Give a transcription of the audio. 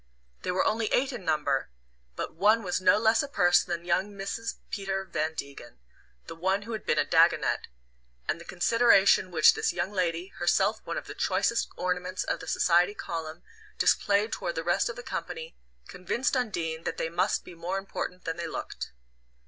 They were only eight in number, but one was no less a person than young Mrs. Peter Van Degen the one who had been a Dagonet and the consideration which this young lady, herself one of the choicest ornaments of the Society Column, displayed toward the rest of the company, convinced Undine that they must be more important than they looked.